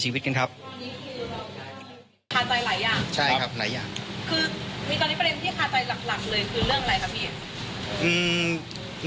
มีการประสาน